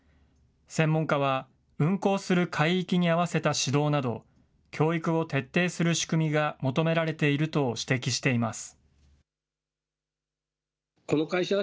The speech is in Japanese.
専門家は、運航する海域に合わせた指導など、教育を徹底する仕組みが求められていると指摘しています。